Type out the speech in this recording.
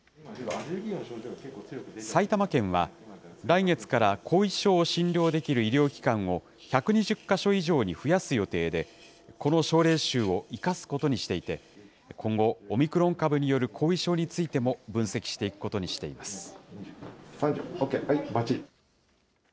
埼玉県は、来月から後遺症を診療できる医療機関を１２０か所以上に増やす予定で、この症例集を生かすことにしていて、今後、オミクロン株による後遺症についても、分析していくことにしています。